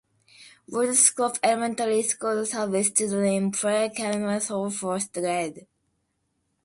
Woodstock Elementary School serves children in pre-Kindergarten through fourth grade.